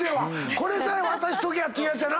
これさえ渡しときゃというやつやな。